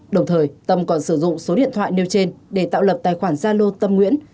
đồng thời tâm còn sử dụng số điện thoại nêu trên để tạo lập tài khoản gia lô tâm nguyễn